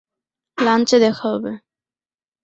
লাঞ্চে দেখা হবে।